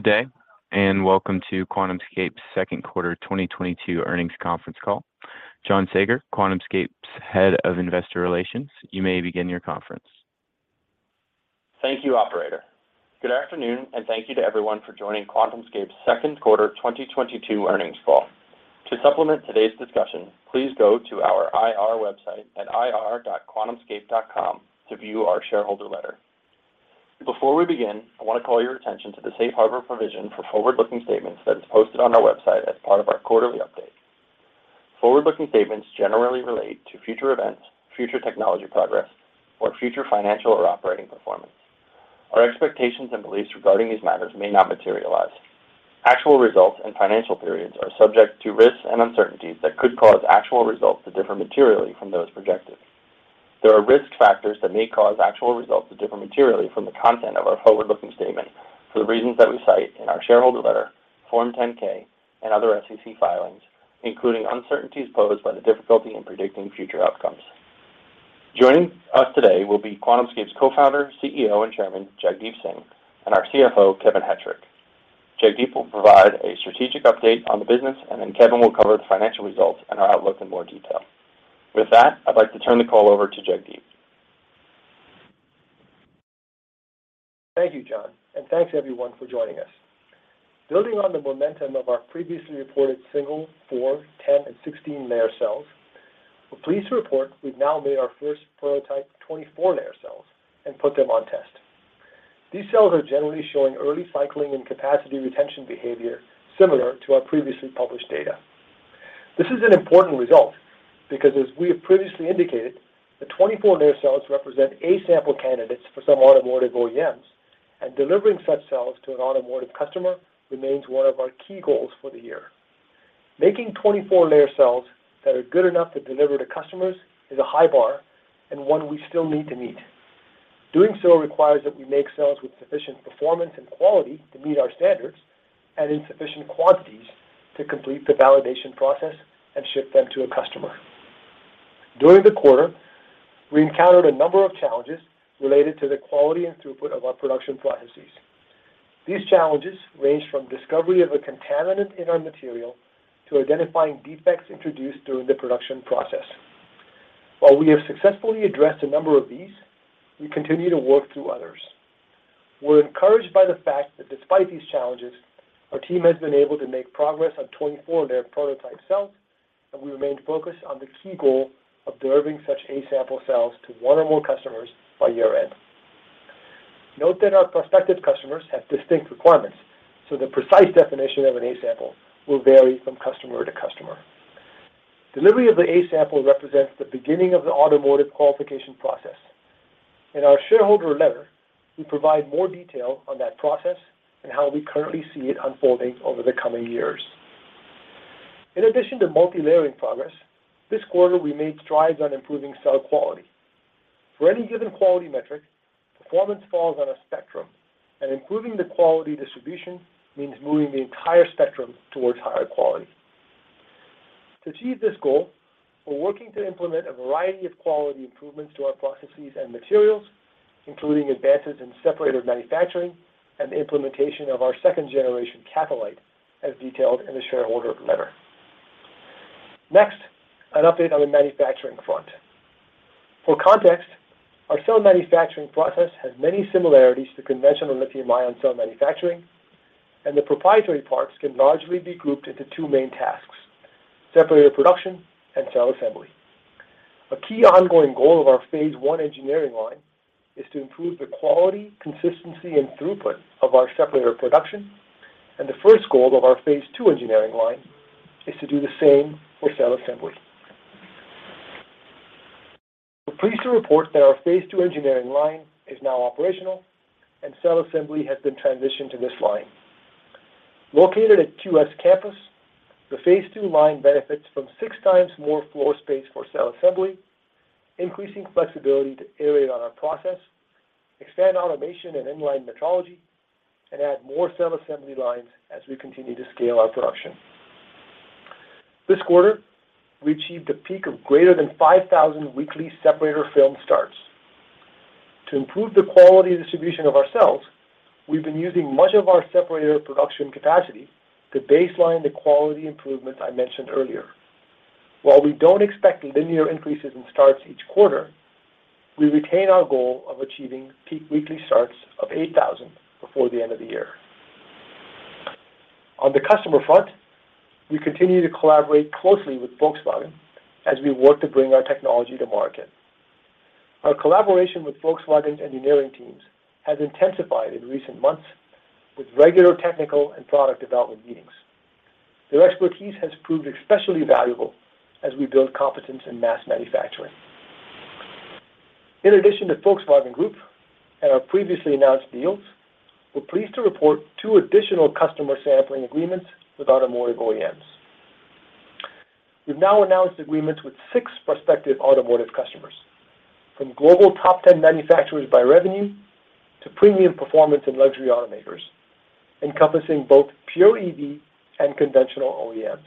Good day, and welcome to QuantumScape's second quarter 2022 earnings conference call. John Saager, QuantumScape's Head of Investor Relations, you may begin your conference. Thank you, operator. Good afternoon, and thank you to everyone for joining QuantumScape's second quarter 2022 earnings call. To supplement today's discussion, please go to our IR website at ir.quantumscape.com to view our shareholder letter. Before we begin, I wanna call your attention to the Safe Harbor provision for forward-looking statements that is posted on our website as part of our quarterly update. Forward-looking statements generally relate to future events, future technology progress, or future financial or operating performance. Our expectations and beliefs regarding these matters may not materialize. Actual results and financial periods are subject to risks and uncertainties that could cause actual results to differ materially from those projected. There are risk factors that may cause actual results to differ materially from the content of our forward-looking statement for the reasons that we cite in our shareholder letter, Form 10-K, and other SEC filings, including uncertainties posed by the difficulty in predicting future outcomes. Joining us today will be QuantumScape's Co-Founder, CEO, and Chairman, Jagdeep Singh, and our CFO, Kevin Hettrich. Jagdeep will provide a strategic update on the business, and then Kevin will cover the financial results and our outlook in more detail. With that, I'd like to turn the call over to Jagdeep. Thank you, John, and thanks everyone for joining us. Building on the momentum of our previously reported single-, four-, 10-, and 16-layer cells, we're pleased to report we've now made our first prototype 24-layer cells and put them on test. These cells are generally showing early cycling and capacity retention behavior similar to our previously published data. This is an important result because as we have previously indicated, the 24-layer cells represent A-sample candidates for some automotive OEMs, and delivering such cells to an automotive customer remains one of our key goals for the year. Making 24-layer cells that are good enough to deliver to customers is a high bar and one we still need to meet. Doing so requires that we make cells with sufficient performance and quality to meet our standards and in sufficient quantities to complete the validation process and ship them to a customer. During the quarter, we encountered a number of challenges related to the quality and throughput of our production processes. These challenges ranged from discovery of a contaminant in our material to identifying defects introduced during the production process. While we have successfully addressed a number of these, we continue to work through others. We're encouraged by the fact that despite these challenges, our team has been able to make progress on 24-layer prototype cells, and we remain focused on the key goal of delivering such A-sample cells to one or more customers by year-end. Note that our prospective customers have distinct requirements, so the precise definition of an A-sample will vary from customer to customer. Delivery of the A-sample represents the beginning of the automotive qualification process. In our shareholder letter, we provide more detail on that process and how we currently see it unfolding over the coming years. In addition to multi-layering progress, this quarter we made strides on improving cell quality. For any given quality metric, performance falls on a spectrum, and improving the quality distribution means moving the entire spectrum towards higher quality. To achieve this goal, we're working to implement a variety of quality improvements to our processes and materials, including advances in separator manufacturing and the implementation of our second-generation catholyte, as detailed in the shareholder letter. Next, an update on the manufacturing front. For context, our cell manufacturing process has many similarities to conventional lithium-ion cell manufacturing, and the proprietary parts can largely be grouped into two main tasks, separator production and cell assembly. A key ongoing goal of our Phase 1 engineering line is to improve the quality, consistency, and throughput of our separator production, and the first goal of our Phase 2 engineering line is to do the same for cell assembly. We're pleased to report that our Phase 2 engineering line is now operational, and cell assembly has been transitioned to this line. Located at QS Campus, the Phase 2 line benefits from six times more floor space for cell assembly, increasing flexibility to iterate on our process, expand automation and inline metrology, and add more cell assembly lines as we continue to scale our production. This quarter, we achieved a peak of greater than 5,000 weekly separator film starts. To improve the quality distribution of our cells, we've been using much of our separator production capacity to baseline the quality improvements I mentioned earlier. While we don't expect linear increases in starts each quarter, we retain our goal of achieving peak weekly starts of 8,000 before the end of the year. On the customer front, we continue to collaborate closely with Volkswagen as we work to bring our technology to market. Our collaboration with Volkswagen's engineering teams has intensified in recent months with regular technical and product development meetings. Their expertise has proved especially valuable as we build competence in mass manufacturing. In addition to Volkswagen Group and our previously announced deals, we're pleased to report two additional customer sampling agreements with automotive OEMs. We've now announced agreements with six prospective automotive customers, from global top 10 manufacturers by revenue to premium performance and luxury automakers, encompassing both pure EV and conventional OEMs.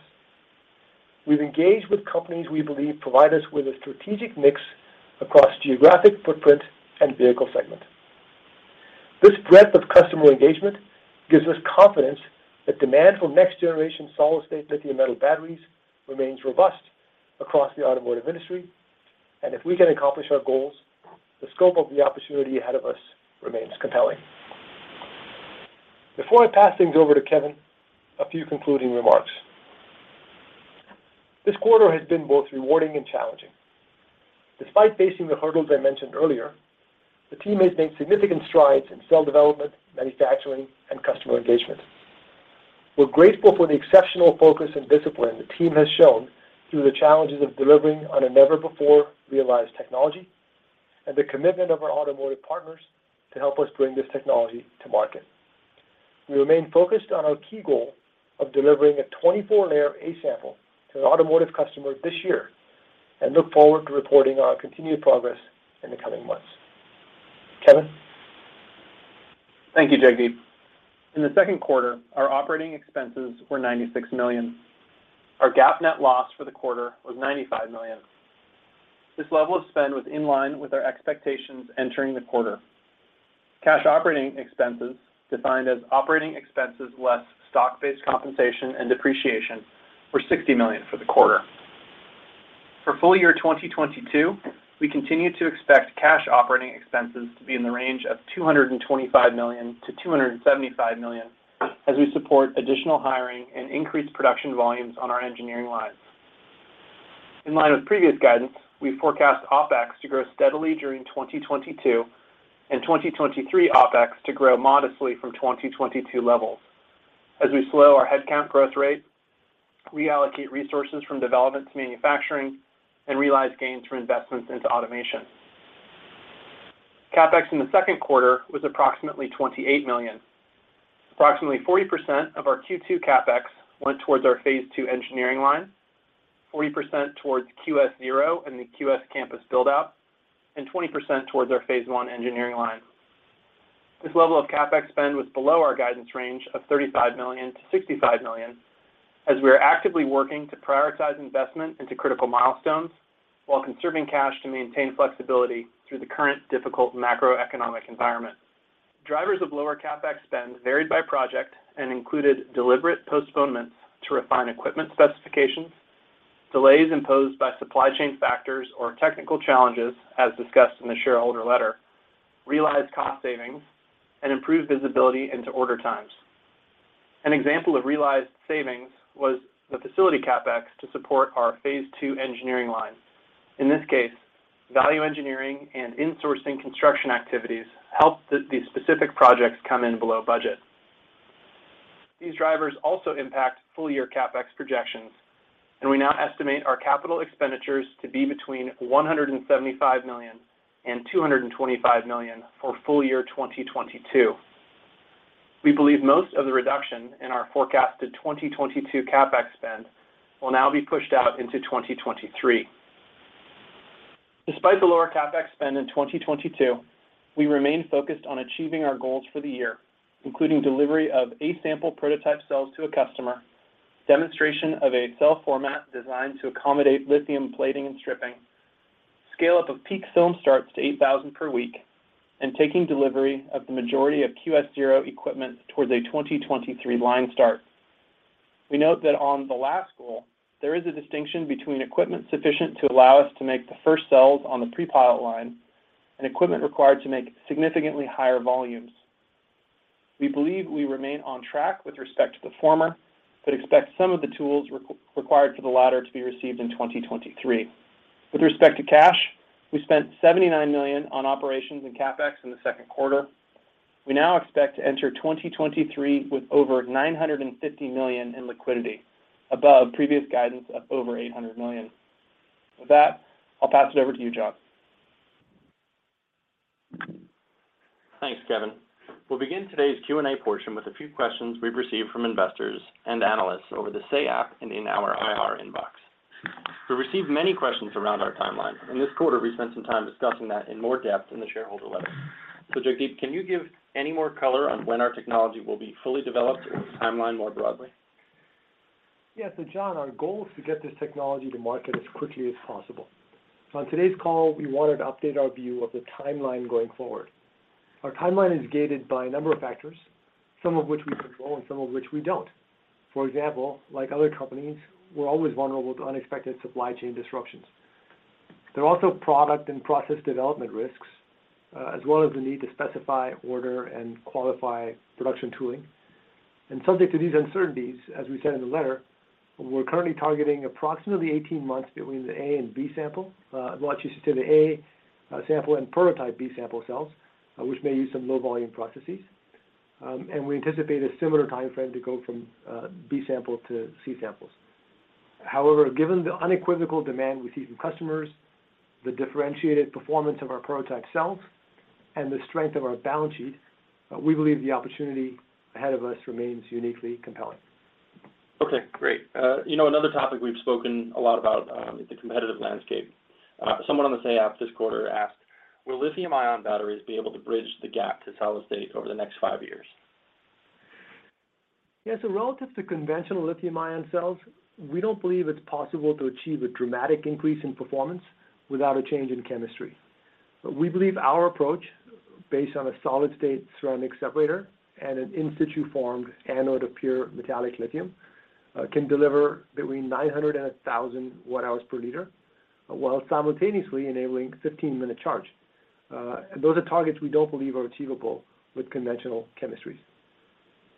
We've engaged with companies we believe provide us with a strategic mix across geographic footprint and vehicle segment. This breadth of customer engagement gives us confidence that demand for next-generation solid-state lithium-metal batteries remains robust across the automotive industry, and if we can accomplish our goals, the scope of the opportunity ahead of us remains compelling. Before I pass things over to Kevin, a few concluding remarks. This quarter has been both rewarding and challenging. Despite facing the hurdles I mentioned earlier, the team has made significant strides in cell development, manufacturing, and customer engagement. We're grateful for the exceptional focus and discipline the team has shown through the challenges of delivering on a never-before-realized technology and the commitment of our automotive partners to help us bring this technology to market. We remain focused on our key goal of delivering a 24-layer A-sample to an automotive customer this year and look forward to reporting our continued progress in the coming months. Kevin? Thank you, Jagdeep. In the second quarter, our operating expenses were $96 million. Our GAAP net loss for the quarter was $95 million. This level of spend was in line with our expectations entering the quarter. Cash operating expenses, defined as operating expenses less stock-based compensation and depreciation, were $60 million for the quarter. For full year 2022, we continue to expect cash operating expenses to be in the range of $225 million-$275 million as we support additional hiring and increased production volumes on our engineering lines. In line with previous guidance, we forecast OpEx to grow steadily during 2022, and 2023 OpEx to grow modestly from 2022 levels. We slow our headcount growth rate, reallocate resources from development to manufacturing, and realize gains from investments into automation. CapEx in the second quarter was approximately $28 million. Approximately 40% of our Q2 CapEx went towards our Phase 2 engineering line, 40% towards QS-0 and the QS Campus build-out, and 20% towards our Phase 1 engineering line. This level of CapEx spend was below our guidance range of $35 million-$65 million, as we are actively working to prioritize investment into critical milestones while conserving cash to maintain flexibility through the current difficult macroeconomic environment. Drivers of lower CapEx spend varied by project and included deliberate postponements to refine equipment specifications, delays imposed by supply chain factors or technical challenges, as discussed in the shareholder letter, realized cost savings, and improved visibility into order times. An example of realized savings was the facility CapEx to support our Phase 2 engineering line. In this case, value engineering and insourcing construction activities helped these specific projects come in below budget. These drivers also impact full-year CapEx projections, and we now estimate our capital expenditures to be between $175 million and $225 million for full year 2022. We believe most of the reduction in our forecasted 2022 CapEx spend will now be pushed out into 2023. Despite the lower CapEx spend in 2022, we remain focused on achieving our goals for the year, including delivery of A-sample prototype cells to a customer, demonstration of a cell format designed to accommodate lithium plating and stripping, scale-up of peak film starts to 8,000 per week, and taking delivery of the majority of QS-0 equipment towards a 2023 line start. We note that on the last goal, there is a distinction between equipment sufficient to allow us to make the first cells on the pre-pilot line and equipment required to make significantly higher volumes. We believe we remain on track with respect to the former, but expect some of the tools required for the latter to be received in 2023. With respect to cash, we spent $79 million on operations and CapEx in the second quarter. We now expect to enter 2023 with over $950 million in liquidity, above previous guidance of over $800 million. With that, I'll pass it over to you, John. Thanks, Kevin. We'll begin today's Q&A portion with a few questions we've received from investors and analysts over the Say app and in our IR inbox. We received many questions around our timeline, and this quarter we spent some time discussing that in more depth in the shareholder letter. Jagdeep, can you give any more color on when our technology will be fully developed or the timeline more broadly? John, our goal is to get this technology to market as quickly as possible. On today's call, we wanted to update our view of the timeline going forward. Our timeline is gated by a number of factors, some of which we control and some of which we don't. For example, like other companies, we're always vulnerable to unexpected supply chain disruptions. There are also product and process development risks, as well as the need to specify, order, and qualify production tooling. Subject to these uncertainties, as we said in the letter, we're currently targeting approximately 18 months between the A-sample and B-sample. I should say the A-sample and prototype B-sample cells, which may use some low-volume processes. We anticipate a similar timeframe to go from B-sample to C-samples. However, given the unequivocal demand we see from customers, the differentiated performance of our prototype cells, and the strength of our balance sheet, we believe the opportunity ahead of us remains uniquely compelling. Okay, great. You know, another topic we've spoken a lot about is the competitive landscape. Someone on the Say app this quarter asked, "Will lithium-ion batteries be able to bridge the gap to solid state over the next five years? Yeah. Relative to conventional lithium-ion cells, we don't believe it's possible to achieve a dramatic increase in performance without a change in chemistry. We believe our approach, based on a solid-state ceramic separator and an in-situ formed anode of pure metallic lithium, can deliver between 900 Wh/L and 1,000 Wh/L, while simultaneously enabling 15-minute charge. Those are targets we don't believe are achievable with conventional chemistries.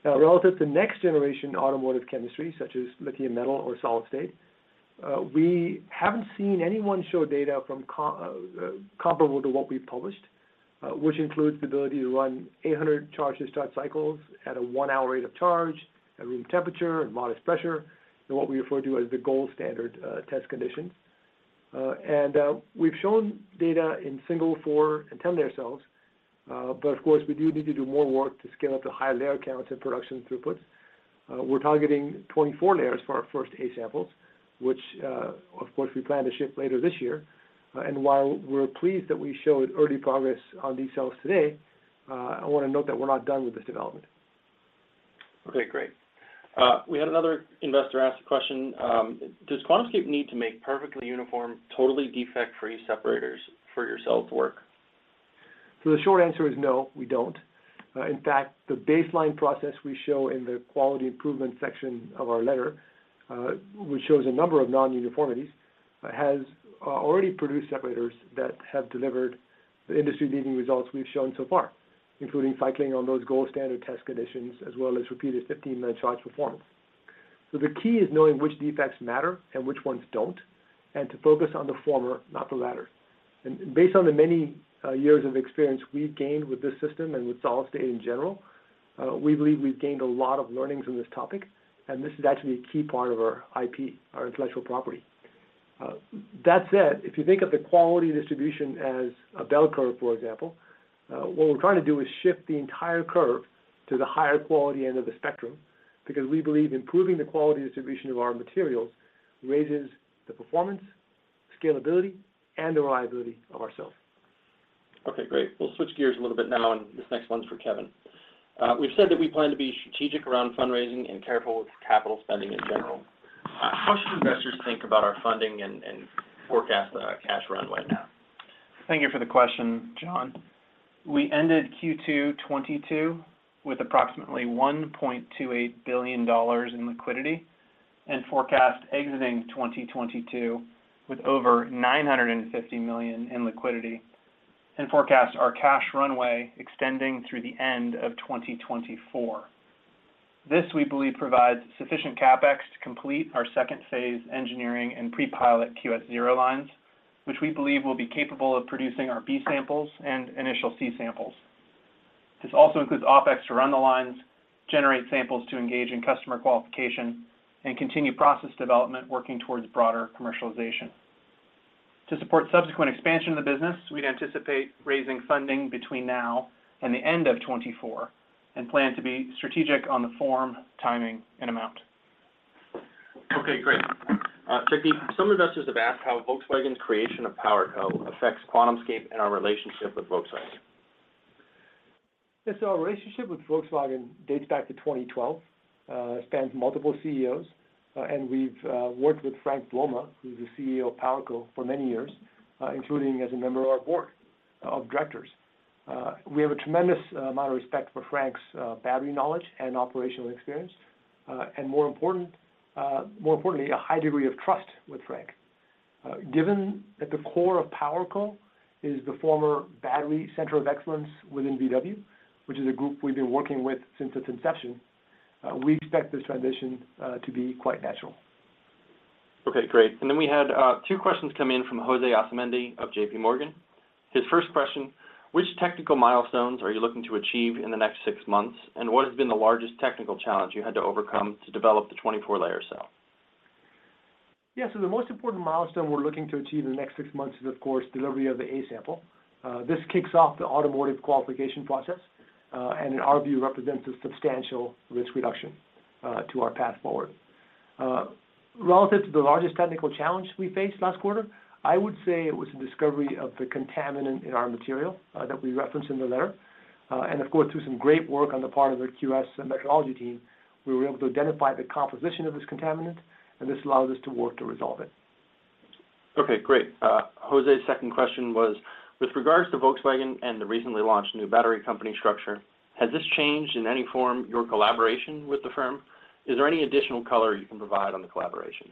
Now, relative to next-generation automotive chemistry such as lithium-metal or solid-state, we haven't seen anyone show data comparable to what we've published, which includes the ability to run 800 charge-discharge cycles at a 1-hour rate of charge at room temperature and modest pressure in what we refer to as the gold standard test conditions. We've shown data in single, four, and 10 layer cells. Of course, we do need to do more work to scale up to higher layer counts and production throughputs. We're targeting 24 layers for our first A-samples, which, of course, we plan to ship later this year. While we're pleased that we showed early progress on these cells today, I wanna note that we're not done with this development. Okay, great. We had another investor ask the question, does QuantumScape need to make perfectly uniform, totally defect-free separators for your cells to work? The short answer is no, we don't. In fact, the baseline process we show in the quality improvement section of our letter, which shows a number of non-uniformities, has already produced separators that have delivered the industry-leading results we've shown so far, including cycling on those gold standard test conditions as well as repeated 15-minute charge performance. The key is knowing which defects matter and which ones don't, and to focus on the former, not the latter. Based on the many years of experience we've gained with this system and with solid state in general, we believe we've gained a lot of learnings on this topic, and this is actually a key part of our IP, our intellectual property. That said, if you think of the quality distribution as a bell curve, for example, what we're trying to do is shift the entire curve to the higher quality end of the spectrum because we believe improving the quality distribution of our materials raises the performance, scalability, and the reliability of our cells. Okay, great. We'll switch gears a little bit now, and this next one's for Kevin. We've said that we plan to be strategic around fundraising and careful with capital spending in general. How should investors think about our funding and forecast our cash runway now? Thank you for the question, John. We ended Q2 2022 with approximately $1.28 billion in liquidity and forecast exiting 2022 with over $950 million in liquidity and forecast our cash runway extending through the end of 2024. This, we believe, provides sufficient CapEx to complete our second phase engineering and pre-pilot QS-0 lines, which we believe will be capable of producing our B samples and initial C samples. This also includes OpEx to run the lines, generate samples to engage in customer qualification, and continue process development working towards broader commercialization. To support subsequent expansion of the business, we'd anticipate raising funding between now and the end of 2024 and plan to be strategic on the form, timing, and amount. Okay, great. Jagdeep, some investors have asked how Volkswagen's creation of PowerCo affects QuantumScape and our relationship with Volkswagen? Yes. Our relationship with Volkswagen dates back to 2012, spans multiple CEOs, and we've worked with Frank Blome, who's the CEO of PowerCo, for many years, including as a member of our board of directors. We have a tremendous amount of respect for Frank's battery knowledge and operational experience, and more importantly, a high degree of trust with Frank. Given at the core of PowerCo is the former Battery Center of Excellence within VW, which is a group we've been working with since its inception, we expect this transition to be quite natural. Okay, great. We had two questions come in from Jose Asumendi of JPMorgan. His first question: Which technical milestones are you looking to achieve in the next six months, and what has been the largest technical challenge you had to overcome to develop the 24-layer cell? The most important milestone we're looking to achieve in the next six months is, of course, delivery of the A-sample. This kicks off the automotive qualification process, and in our view, represents a substantial risk reduction to our path forward. Relative to the largest technical challenge we faced last quarter, I would say it was the discovery of the contaminant in our material that we referenced in the letter. Of course, through some great work on the part of the QS metrology team, we were able to identify the composition of this contaminant, and this allows us to work to resolve it. Okay, great. Jose's second question was: With regards to Volkswagen and the recently launched new battery company structure, has this changed in any form your collaboration with the firm? Is there any additional color you can provide on the collaboration?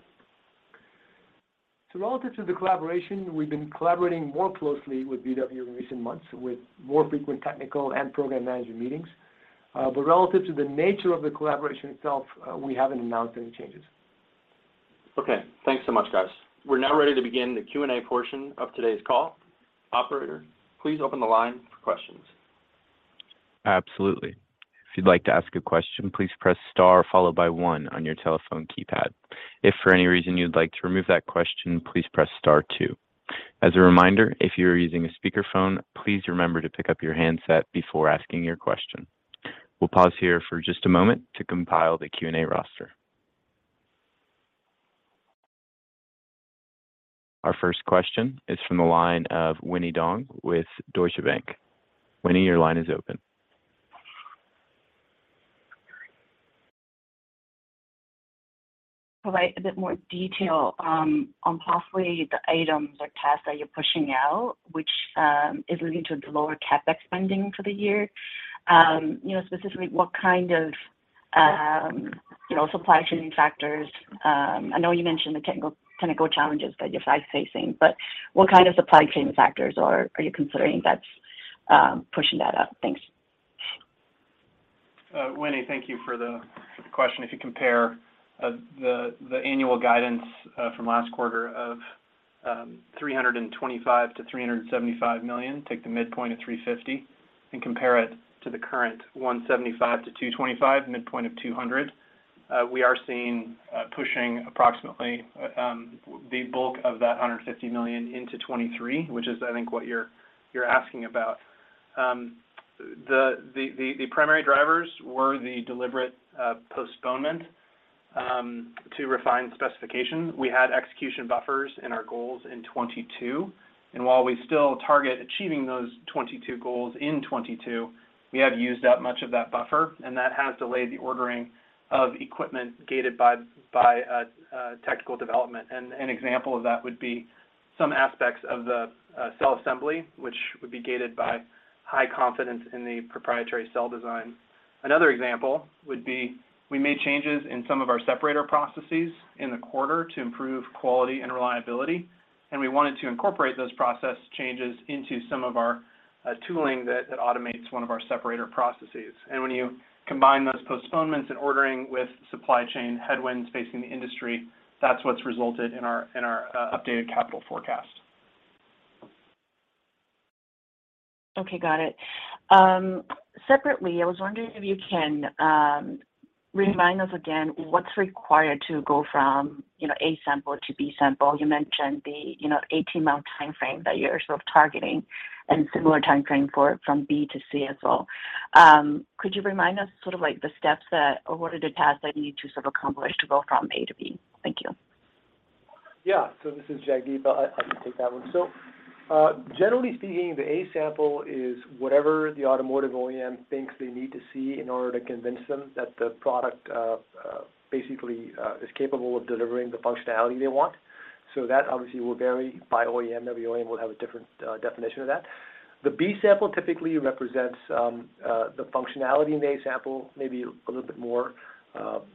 Relative to the collaboration, we've been collaborating more closely with VW in recent months with more frequent technical and program management meetings. Relative to the nature of the collaboration itself, we haven't announced any changes. Okay. Thanks so much, guys. We're now ready to begin the Q&A portion of today's call. Operator, please open the line for questions. Absolutely. If you'd like to ask a question, please press star followed by one on your telephone keypad. If for any reason you'd like to remove that question, please press star two. As a reminder, if you are using a speakerphone, please remember to pick up your handset before asking your question. We'll pause here for just a moment to compile the Q&A roster. Our first question is from the line of Winnie Dong with Deutsche Bank. Winnie, your line is open. Provide a bit more detail on possibly the items or tasks that you're pushing out, which is leading to the lower CapEx spending for the year. You know, specifically what kind of you know supply chain factors. I know you mentioned the technical challenges that you're facing, but what kind of supply chain factors are you considering that's pushing that up? Thanks. Winnie, thank you for the question. If you compare the annual guidance from last quarter of $325 million-$375 million, take the midpoint of $350 million and compare it to the current $175 million-$225 million, midpoint of $200 million, we are seeing pushing approximately the bulk of that $150 million into 2023, which is, I think what you're asking about. The primary drivers were the deliberate postponement to refine specifications. We had execution buffers in our goals in 2022, and while we still target achieving those 2022 goals in 2022, we have used up much of that buffer, and that has delayed the ordering of equipment gated by technical development. An example of that would be some aspects of the cell assembly, which would be gated by high confidence in the proprietary cell design. Another example would be we made changes in some of our separator processes in the quarter to improve quality and reliability, and we wanted to incorporate those process changes into some of our tooling that automates one of our separator processes. When you combine those postponements and ordering with supply chain headwinds facing the industry, that's what's resulted in our updated capital forecast. Okay, got it. Separately, I was wondering if you can remind us again what's required to go from, you know, A sample to B sample. You mentioned the, you know, 18-month timeframe that you're sort of targeting and similar timeframe for from B to C as well. Could you remind us sort of like the steps that or what are the tasks that you need to sort of accomplish to go from A to B? Thank you. This is Jagdeep. I can take that one. Generally speaking, the A sample is whatever the automotive OEM thinks they need to see in order to convince them that the product basically is capable of delivering the functionality they want. That obviously will vary by OEM. Every OEM will have a different definition of that. The B sample typically represents the functionality in the A sample, maybe a little bit more.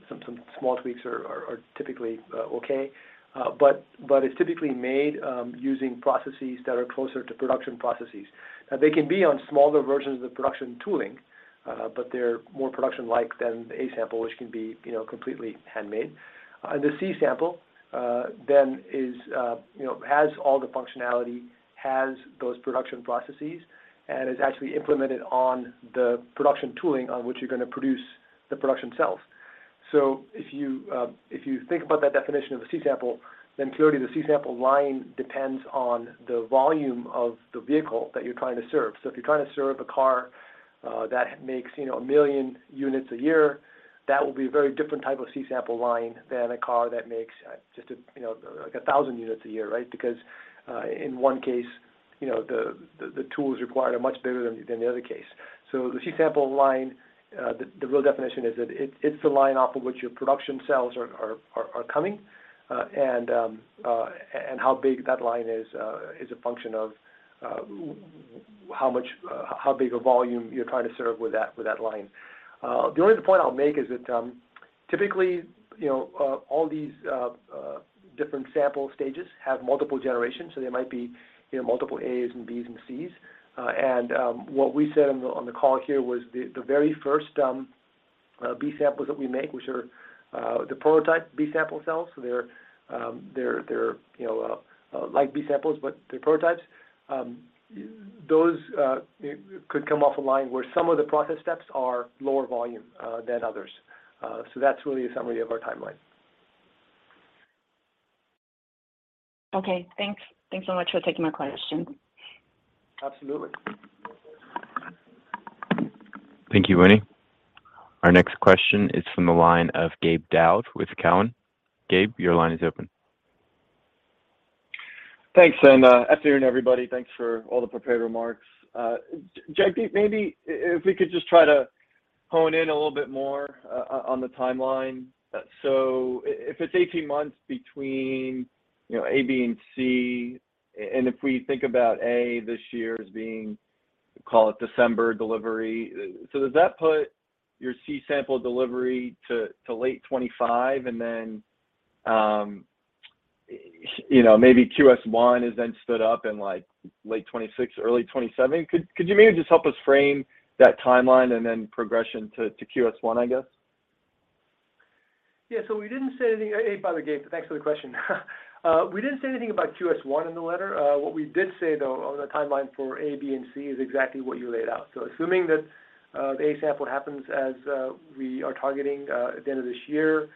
Some small tweaks are typically okay. It's typically made using processes that are closer to production processes. Now, they can be on smaller versions of the production tooling, but they're more production-like than the A sample, which can be, you know, completely handmade. The C-sample then is, you know, has all the functionality, has those production processes, and is actually implemented on the production tooling on which you're gonna produce the production cells. If you, if you think about that definition of a C-sample, then clearly the C-sample line depends on the volume of the vehicle that you're trying to serve. If you're trying to serve a car that makes, you know, 1 million units a year, that will be a very different type of C-sample line than a car that makes, just a, you know, like 1,000 units a year, right? Because, in one case, you know, the tools required are much bigger than the other case. The C sample line, the real definition is that it's the line off of which your production cells are coming, and how big that line is is a function of how big a volume you're trying to serve with that line. The only other point I'll make is that, typically, you know, different sample stages have multiple generations, so there might be, you know, multiple As and Bs and Cs. What we said on the call here was the very first B samples that we make, which are the prototype B sample cells, so they're, you know, like B samples, but they're prototypes. Those could come off a line where some of the process steps are lower volume than others. That's really a summary of our timeline. Okay, thanks. Thanks so much for taking my question. Absolutely. Thank you, Winnie. Our next question is from the line of Gabe Daoud with Cowen. Gabe, your line is open. Thanks, afternoon, everybody. Thanks for all the prepared remarks. Jagdeep, maybe if we could just try to hone in a little bit more on the timeline? If it's 18 months between, you know, A, B, and C, and if we think about A this year as being, call it December delivery, does that put your C sample delivery to late 2025 and then, you know, maybe QS-1 is then stood up in like late 2026, early 2027? Could you maybe just help us frame that timeline and then progression to QS-1, I guess? We didn't say anything. By the way, Gabe, thanks for the question. We didn't say anything about QS-1 in the letter. What we did say, though, on the timeline for A, B, and C is exactly what you laid out. Assuming that the A-sample happens as we are targeting at the end of this year,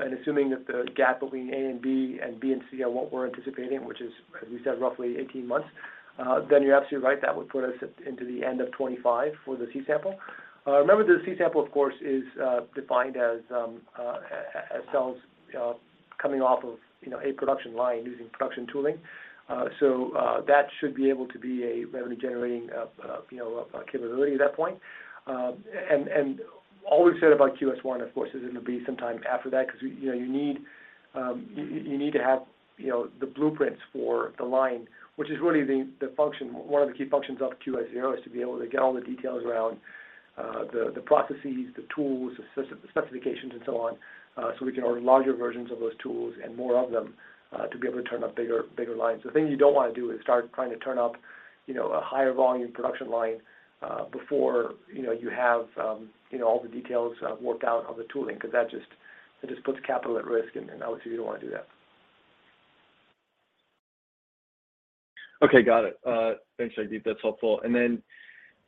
and assuming that the gap between A and B and B and C are what we're anticipating, which is, as we said, roughly 18 months, then you're absolutely right, that would put us into the end of 2025 for the C-sample. Remember the C-sample of course is defined as cells coming off of, you know, a production line using production tooling. That should be able to be a revenue-generating, you know, capability at that point. All we've said about QS-1, of course, is it'll be some time after that because you know you need to have you know the blueprints for the line. One of the key functions of QS-0 is to be able to get all the details around the processes, the tools, the specifications and so on, so we can order larger versions of those tools and more of them to be able to turn up bigger lines. The thing you don't wanna do is start trying to turn up, you know, a higher volume production line before, you know, you have, you know, all the details worked out of the tooling, because that just puts capital at risk, and obviously you don't wanna do that. Okay. Got it. Thanks, Jagdeep. That's helpful.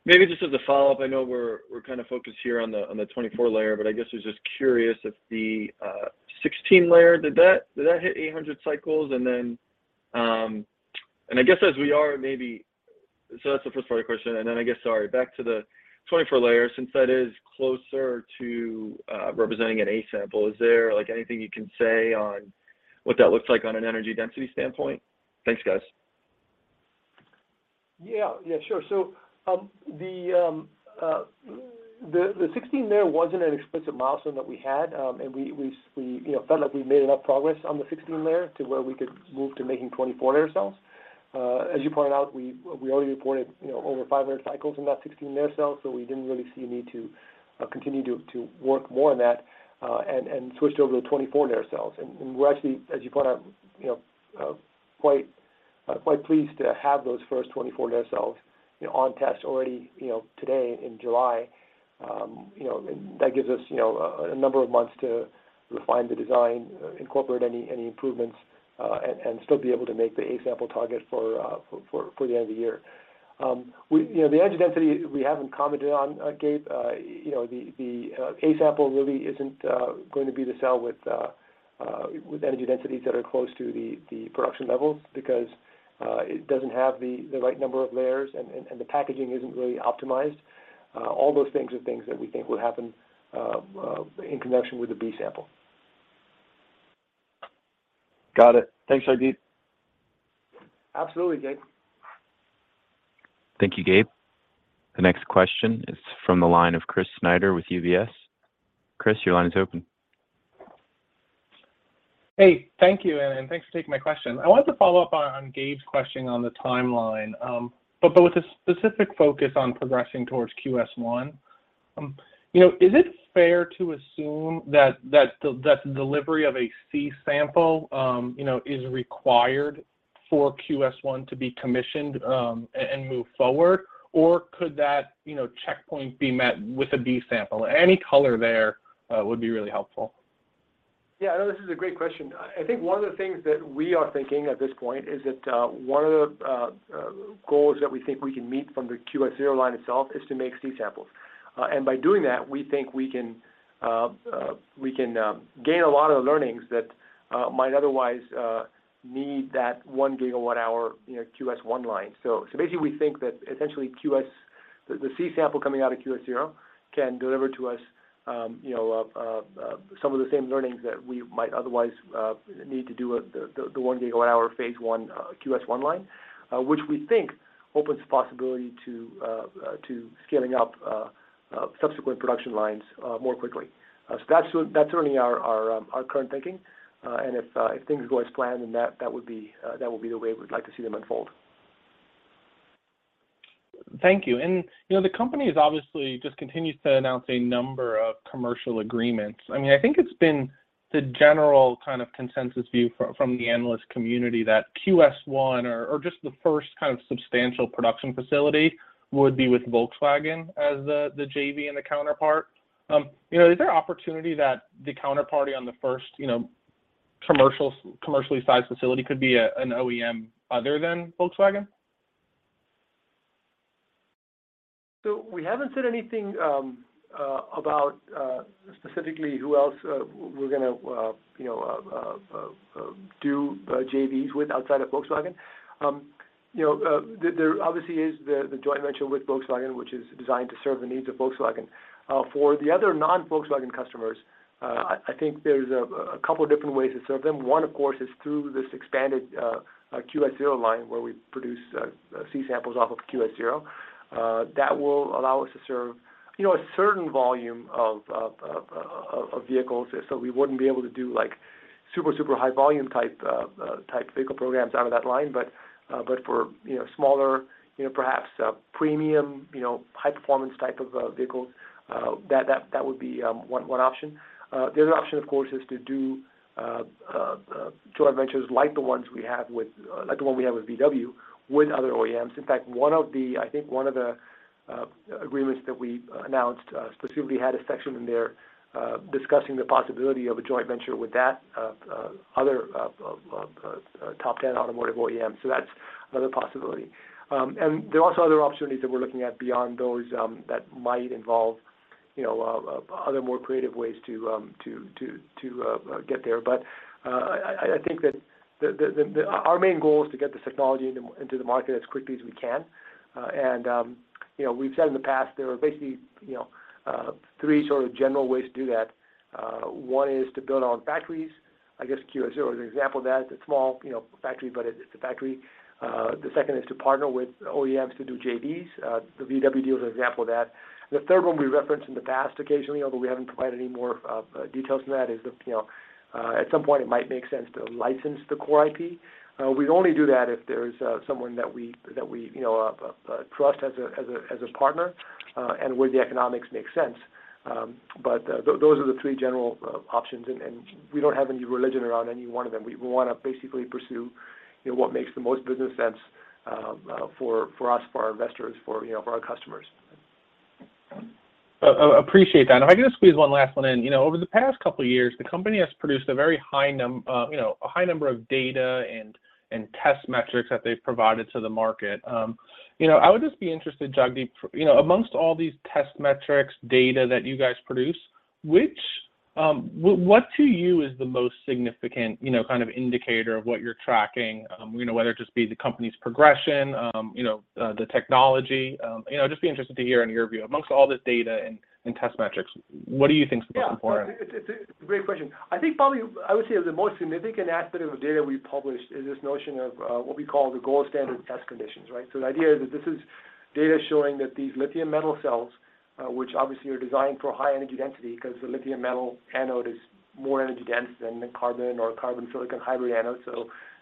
Maybe just as a follow-up, I know we're kind of focused here on the 24-layer, but I guess I was just curious if the 16-layer hit 800 cycles? That's the first part of the question. I guess, sorry, back to the 24-layer, since that is closer to representing an A-sample, is there, like, anything you can say on what that looks like on an energy density standpoint? Thanks, guys. Yeah. Yeah, sure. The 16 layer wasn't an explicit milestone that we had, and we you know, felt like we made enough progress on the 16 layer to where we could move to making 24 layer cells. As you pointed out, we already reported, you know, over 500 cycles in that 16 layer cell, so we didn't really see a need to continue to work more on that, and switched over to 24 layer cells. We're actually, as you point out, you know, quite pleased to have those first 24 layer cells, you know, on test already, you know, today in July. You know, that gives us, you know, a number of months to refine the design, incorporate any improvements, and still be able to make the A-sample target for the end of the year. You know, the energy density we haven't commented on, Gabe. You know, the A-sample really isn't going to be the cell with energy densities that are close to the production levels because it doesn't have the right number of layers and the packaging isn't really optimized. All those things are things that we think will happen in connection with the B-sample. Got it. Thanks, Jagdeep. Absolutely, Gabe. Thank you, Gabe. The next question is from the line of Chris Snyder with UBS. Chris, your line is open. Hey, thank you, and thanks for taking my question. I wanted to follow-up on Gabe's question on the timeline, but with a specific focus on progressing towards QS-1. You know, is it fair to assume that the delivery of a C-sample, you know, is required for QS-1 to be commissioned, and move forward, or could that checkpoint be met with a B-sample? Any color there would be really helpful. Yeah, no, this is a great question. I think one of the things that we are thinking at this point is that one of the goals that we think we can meet from the QS-0 line itself is to make C samples. By doing that, we think we can gain a lot of the learnings that might otherwise need that 1 GWh, you know, QS-1 line. Basically we think that essentially QS. The C-sample coming out of QS-0 can deliver to us some of the same learnings that we might otherwise need to do at the 1 GWh Phase 1 QS-1 line, which we think opens the possibility to scaling up subsequent production lines more quickly. That's what. That's certainly our current thinking, and if things go as planned, then that would be the way we'd like to see them unfold. Thank you. You know, the company has obviously just continued to announce a number of commercial agreements. I mean, I think it's been the general kind of consensus view from the analyst community that QS-1 or just the first kind of substantial production facility would be with Volkswagen as the JV and the counterpart. You know, is there opportunity that the counterparty on the first, you know, commercially sized facility could be an OEM other than Volkswagen? We haven't said anything about specifically who else we're gonna you know do JVs with outside of Volkswagen. You know, there obviously is the joint venture with Volkswagen, which is designed to serve the needs of Volkswagen. For the other non-Volkswagen customers, I think there's a couple different ways to serve them. One, of course, is through this expanded QS-0 line where we produce C-samples off of QS-0. That will allow us to serve you know a certain volume of vehicles. We wouldn't be able to do like super high volume type vehicle programs out of that line. For smaller, you know, perhaps premium, you know, high performance type of vehicles that would be one option. The other option, of course, is to do joint ventures like the one we have with VW, with other OEMs. In fact, I think one of the agreements that we announced specifically had a section in there discussing the possibility of a joint venture with that other top 10 automotive OEM. That's another possibility. There are also other opportunities that we're looking at beyond those that might involve you know, other more creative ways to get there. I think that our main goal is to get this technology into the market as quickly as we can. You know, we've said in the past there are basically you know three sort of general ways to do that. One is to build our own factories. I guess QS-0 is an example of that. It's a small, you know, factory, but it's a factory. The second is to partner with OEMs to do JVs. The VW deal is an example of that. The third one we referenced in the past occasionally, although we haven't provided any more details on that, is that you know at some point it might make sense to license the core IP. We'd only do that if there's someone that we you know trust as a partner and where the economics make sense. Those are the three general options and we don't have any religion around any one of them. We wanna basically pursue you know what makes the most business sense for us for our investors for you know for our customers. Appreciate that. If I can just squeeze one last one in. You know, over the past couple of years, the company has produced a very high number of data and test metrics that they've provided to the market. You know, I would just be interested, Jagdeep, you know, amongst all these test metrics data that you guys produce, which—what to you is the most significant, you know, kind of indicator of what you're tracking? You know, whether it just be the company's progression, you know, the technology. You know, just be interested to hear in your view. Amongst all this data and test metrics, what do you think is the most important? Yeah. It's a great question. I think probably, I would say the most significant aspect of the data we published is this notion of what we call the gold standard test conditions, right? The idea is that this is data showing that these lithium metal cells, which obviously are designed for high energy density because the lithium metal anode is more energy dense than the carbon or carbon silicon hybrid anode.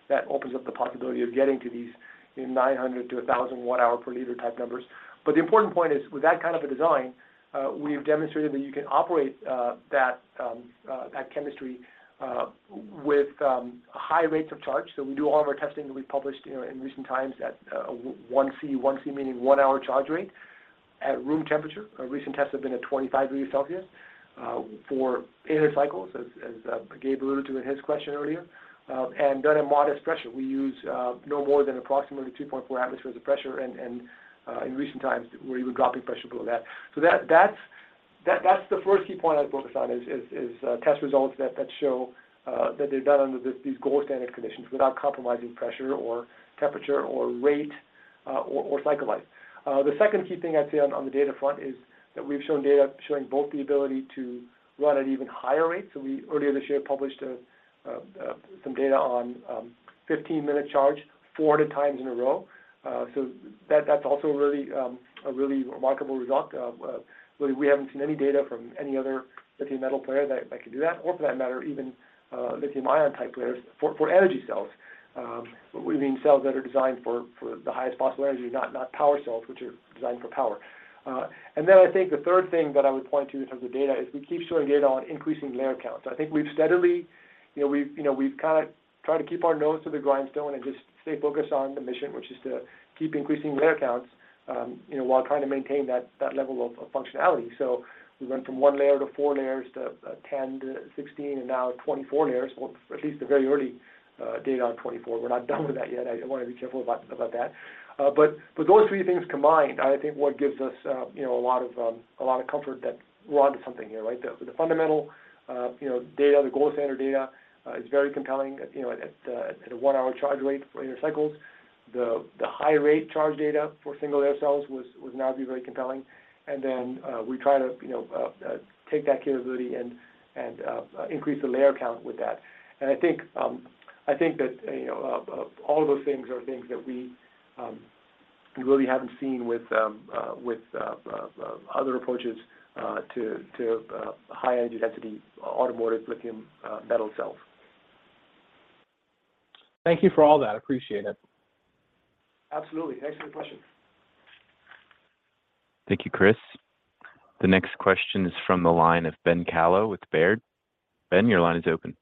That opens up the possibility of getting to these 900 Wh/L-1,000 Wh/L type numbers. The important point is, with that kind of a design, we've demonstrated that you can operate that chemistry with high rates of charge. We do all of our testing that we've published, you know, in recent times at 1C. 1C meaning one hour charge rate at room temperature. Our recent tests have been at 25 degrees Celsius for hundreds of cycles, as Gabe alluded to in his question earlier, and done at modest pressure. We use no more than approximately 2.4 atm of pressure. In recent times, we're even dropping pressure below that. That's the first key point I'd focus on is test results that show that they're done under these gold standard conditions without compromising pressure or temperature or rate, or cycle life. The second key thing I'd say on the data front is that we've shown data showing both the ability to run at even higher rates. We earlier this year published some data on 15-minute charge for 400 times in a row. That's also really a really remarkable result. Really, we haven't seen any data from any other lithium-metal player that could do that, or for that matter, even lithium-ion type players for energy cells. We mean cells that are designed for the highest possible energy, not power cells, which are designed for power. I think the third thing that I would point to in terms of data is we keep showing data on increasing layer counts. I think we've steadily You know, we've kinda tried to keep our nose to the grindstone and just stay focused on the mission, which is to keep increasing layer counts, you know, while trying to maintain that level of functionality. We went from one layer to four layers to 10 to 16 and now 24 layers, or at least the very early data on 24. We're not done with that yet. I wanna be careful about that. Those three things combined, I think what gives us you know a lot of comfort that we're onto something here, right? The fundamental you know data, the gold standard data, is very compelling, you know, at a one-hour charge rate for hundreds of cycles. The high rate charge data for single layer cells was now very compelling. Then we try to you know take that capability and increase the layer count with that. I think that you know all of those things are things that we really haven't seen with other approaches to high energy density automotive lithium-metal cells. Thank you for all that. Appreciate it. Absolutely. Thanks for the question. Thank you, Chris. The next question is from the line of Ben Kallo with Baird. Ben, your line is open.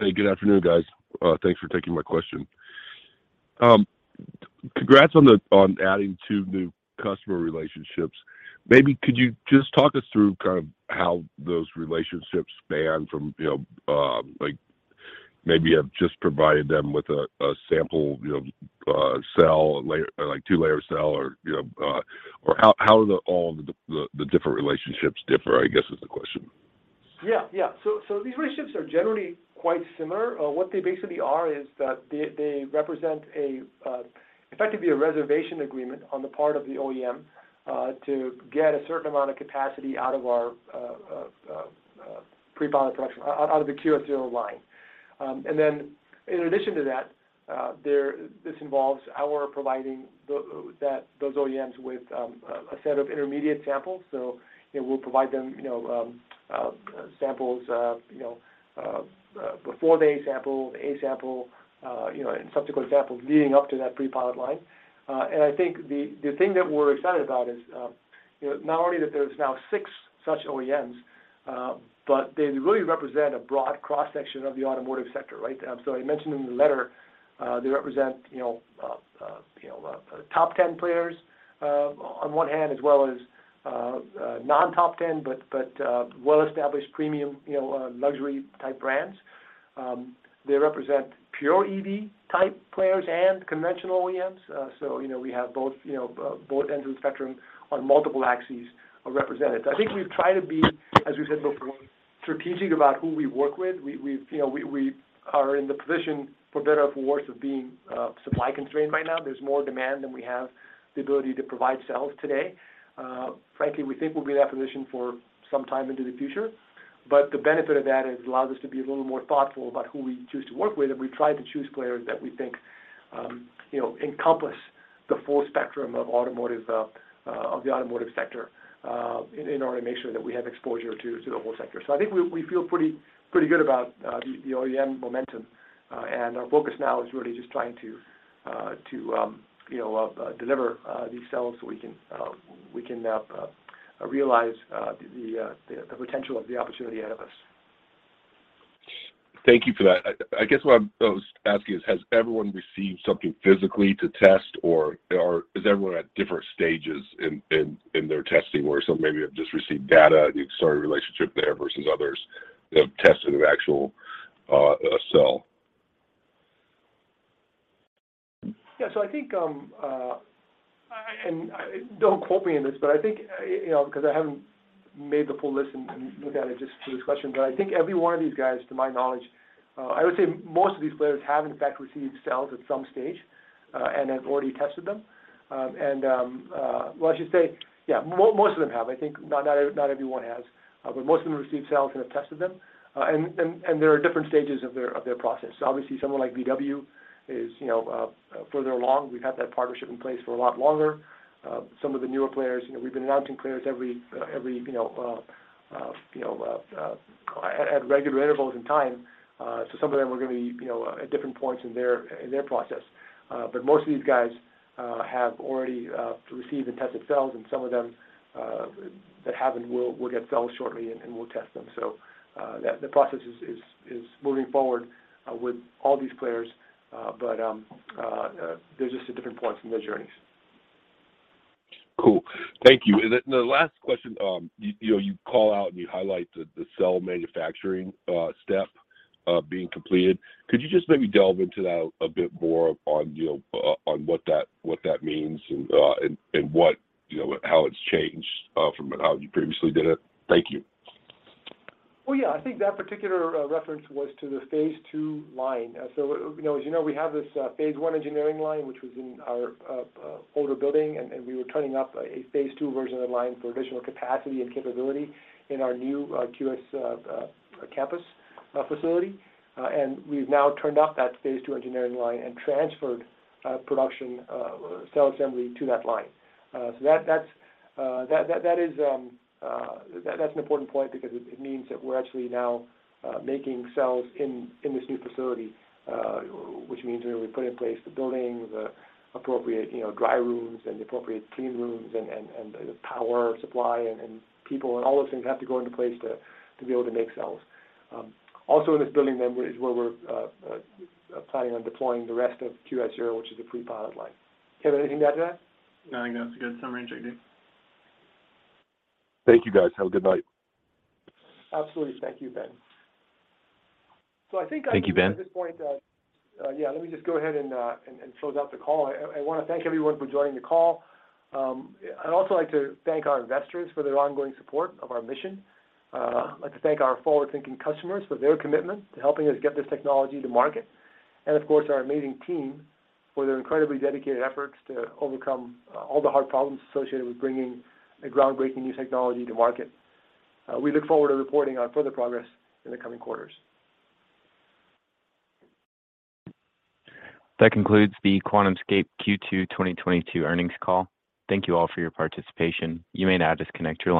Hey, good afternoon, guys. Thanks for taking my question. Congrats on adding two new customer relationships. Maybe could you just talk us through kind of how those relationships span from, you know, like maybe you have just provided them with a sample, you know, cell, layer, like two-layer cell or, you know, or how all the different relationships differ, I guess is the question. Yeah. Yeah. These relationships are generally quite similar. What they basically are is that they represent effectively a reservation agreement on the part of the OEM to get a certain amount of capacity out of our pre-pilot production out of the QS-0 line. In addition to that, this involves our providing those OEMs with a set of intermediate samples. You know, we'll provide them, you know, samples, you know, before they sample the A-sample, you know, and subsequent samples leading up to that pre-pilot line. I think the thing that we're excited about is, you know, not only that there's now six such OEMs, but they really represent a broad cross-section of the automotive sector, right? I mentioned in the letter, they represent, you know, top ten players on one hand as well as non top ten, but well-established premium, you know, luxury type brands. They represent pure EV type players and conventional OEMs. You know, we have both ends of the spectrum on multiple axes are represented. I think we've tried to be, as we said before, strategic about who we work with. We are in the position, for better or for worse, of being supply constrained right now. There's more demand than we have the ability to provide cells today. Frankly, we think we'll be in that position for some time into the future. The benefit of that is it allows us to be a little more thoughtful about who we choose to work with, and we try to choose players that we think, you know, encompass the full spectrum of the automotive sector in order to make sure that we have exposure to the whole sector. I think we feel pretty good about the OEM momentum. Our focus now is really just trying to deliver these cells so we can now realize the potential of the opportunity ahead of us. Thank you for that. I guess what I was asking is, has everyone received something physically to test, or is everyone at different stages in their testing where some maybe have just received data and you can start a relationship there versus others that have tested an actual cell? Yeah. I think, and don't quote me on this, but I think, you know, 'cause I haven't made the full list and looked at it just for this question, but I think every one of these guys, to my knowledge, I would say most of these players have in fact received cells at some stage, and have already tested them. Well, I should say, yeah, most of them have. I think not everyone has. Most of them received cells and have tested them. There are different stages of their process. Obviously someone like VW is, you know, further along. We've had that partnership in place for a lot longer. Some of the newer players, you know, we've been announcing players every you know at regular intervals in time. Some of them are gonna be, you know, at different points in their process. Most of these guys have already received and tested cells, and some of them that haven't will get cells shortly and will test them. The process is moving forward with all these players, but they're just at different points in their journeys. Cool. Thank you. The last question, you know, you call out and you highlight the cell manufacturing step being completed. Could you just maybe delve into that a bit more on, you know, on what that means and what, you know, how it's changed from how you previously did it? Thank you. Well, yeah, I think that particular reference was to the Phase 2 line. You know, as you know, we have this Phase 1 engineering line, which was in our older building, and we were turning up a Phase 2 version of the line for additional capacity and capability in our new QS campus facility. We've now turned up that Phase 2 engineering line and transferred production cell assembly to that line. That's an important point because it means that we're actually now making cells in this new facility, which means we put in place the building, the appropriate, you know, dry rooms and the appropriate clean rooms and the power supply and people and all those things have to go into place to be able to make cells. Also in this building then is where we're planning on deploying the rest of QS-0, which is a pre-pilot line. Kevin, anything to add to that? No, I think that's a good summary, Jagdeep Thank you, guys. Have a good night. Absolutely. Thank you, Ben. I think I can- Thank you, Ben. At this point, yeah, let me just go ahead and close out the call. I wanna thank everyone for joining the call. I'd also like to thank our investors for their ongoing support of our mission. I'd like to thank our forward-thinking customers for their commitment to helping us get this technology to market and of course, our amazing team for their incredibly dedicated efforts to overcome all the hard problems associated with bringing a groundbreaking new technology to market. We look forward to reporting on further progress in the coming quarters. That concludes the QuantumScape Q2 2022 earnings call. Thank you all for your participation. You may now disconnect your lines.